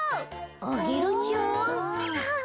アゲルちゃん？あっ。